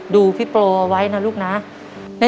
ดูพี่โปรเอาไว้นะลูกนะ